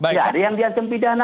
tidak ada yang diancam pidana